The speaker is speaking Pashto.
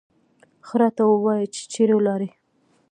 ښه راته ووایه چې چېرې ولاړې.